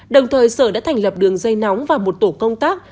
đồng thời sở đã thành lập đường dây nóng và một tổ công tác